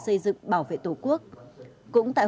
xây dựng bảo vệ tổ quốc cũng tại